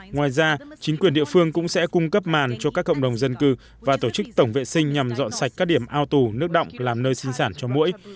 ngoài ra chính quyền địa phương cũng sẽ cung cấp màn cho các cộng đồng dân cư và tổ chức tổng vệ sinh nhằm dọn sạch các điểm ao tù nước động làm nơi sinh sản cho mũi